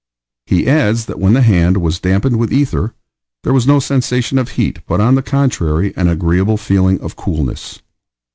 He adds that when the hand was dampened with ether "there was no sensation of heat, but, on the contrary, an agreeable feeling of coolness."